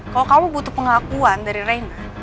kalau kamu butuh pengakuan dari reina